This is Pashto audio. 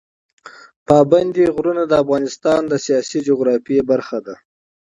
پابندی غرونه د افغانستان د سیاسي جغرافیه برخه ده.